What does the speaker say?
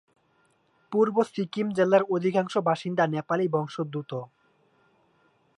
পূর্ব সিকিম জেলার অধিকাংশ বাসিন্দা নেপালি বংশোদ্ভুত।